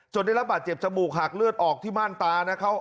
ได้รับบาดเจ็บจมูกหักเลือดออกที่ม่านตานะครับ